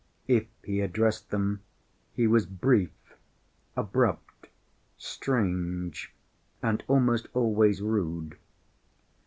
If he addressed them, he was brief, abrupt, strange, and almost always rude.